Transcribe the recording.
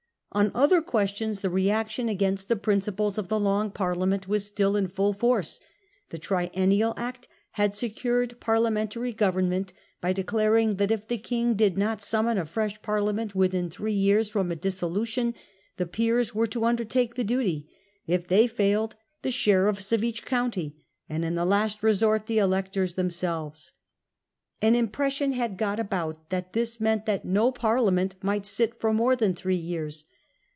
On other questions the reaction against the principles 124 England and Catholicism. 1664. of the Long Parliament was still in full force. The Triennial Act had secured Parliamentary government by declaring that if the king did not summon a fresh Parlia ment within three years from a dissolution, the Peers were to undertake the duty ; if they failed, the sheriffs of each county, and in the last resort the electors themselves. An impression had got about that this meant that no Parliament might sit for more than three years.